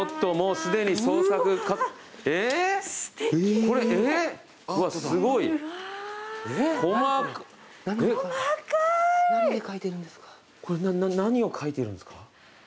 これ何を描いてるんですか？